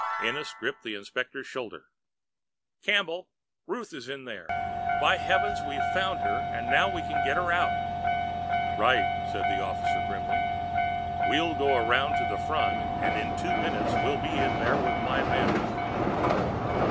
Ennis gripped the inspector's shoulder. "Campbell, Ruth is in there! By heaven, we've found her and now we can get her out!" "Right!" said the officer grimly. "We'll go around to the front and in two minutes we'll be in there with my men."